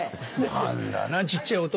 何だな小っちゃい男。